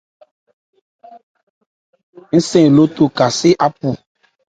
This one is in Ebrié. Aká ho khɛ́n á se mɛ́n jɔbhye.